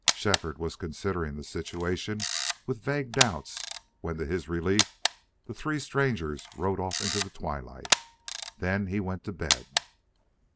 Shefford was considering the situation with vague doubts when, to his relief, the three strangers rode off into the twilight. Then he went to bed.